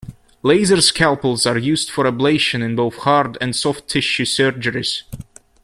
Laser scalpels are used for ablation in both hard- and soft-tissue surgeries.